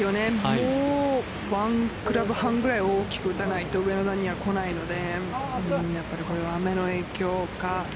もうワンクラブ半ぐらい大きく打たないと上の段には来ないのでこれは雨の影響か。